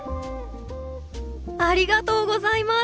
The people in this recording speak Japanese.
ありがとうございます。